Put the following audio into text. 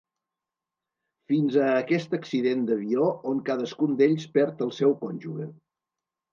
Fins a aquest accident d'avió on cadascun d'ells perd el seu cònjuge.